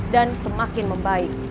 dan semakin membaik